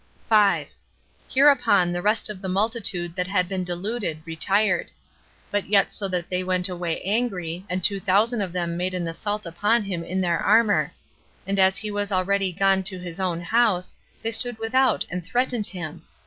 5. Hereupon the rest of the multitude that had been deluded retired; but yet so that they went away angry, and two thousand of them made an assault upon him in their armor; and as he was already gone to his own house, they stood without and threatened him.